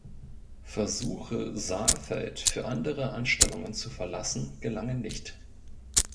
Versuche Saalfeld für andere Anstellungen zu verlassen gelangen nicht.